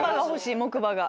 木馬が。